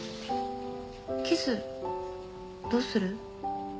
キスどうする？